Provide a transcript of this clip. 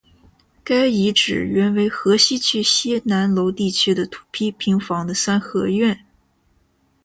该遗址原为河西区西南楼地区的土坯平房的三合院。